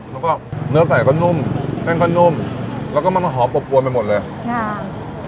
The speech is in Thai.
แล้วก็เนื้อไก่ก็นุ่มแป้งก็นุ่มแล้วก็มันมาหอมอบอวนไปหมดเลยค่ะ